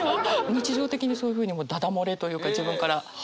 日常的にそういうふうにだだ漏れというか自分から。